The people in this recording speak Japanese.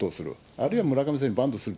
あるいは村上選手がバントをする。